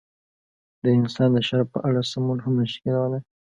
د انسان د شرف په اړه سوڼ هم نشي کولای.